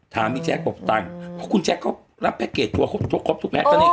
ถามอีแจ๊กบอกตังค์เพราะคุณแจ๊กเขารับแพ็กเกจตัวครบทุกแพ็กตัวเนี้ย